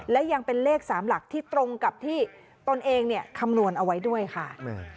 และยังเป็นเลข๓หลักที่ตรงกับที่ตนเองเนี่ยคำนวณเอาไว้ด้วยค่ะ